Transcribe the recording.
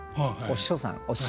お師匠さん。